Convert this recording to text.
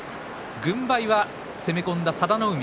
軍配は攻め込んだ佐田の海。